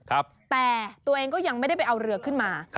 แต่ตัวเองก็ยังไม่ได้ไปเอาเรือขึ้นมา